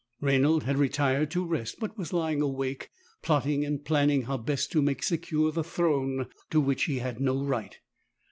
Rainald had retired to rest but was lying awake, plotting and planning how best to make secure the throne to which he had no right.